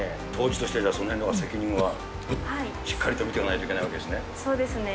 杜氏として、そのへんの責任はしっかりと見てないといけないわけですね。